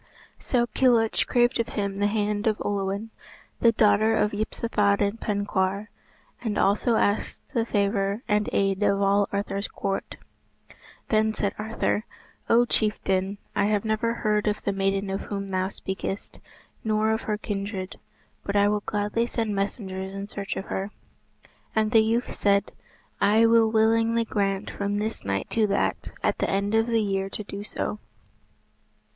So Kilhuch craved of him the hand of Olwen, the daughter of Yspathaden Penkawr, and also asked the favour and aid of all Arthur's court. Then said Arthur, "O chieftain, I have never heard of the maiden of whom thou speakest, nor of her kindred, but I will gladly send messengers in search of her." And the youth said, "I will willingly grant from this night to that at the end of the year to do so."